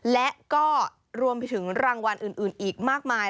และก็รวมไปถึงรางวัลอื่นอีกมากมาย